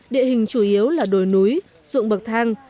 địa hình chủ yếu là đồi núi ruộng bậc thang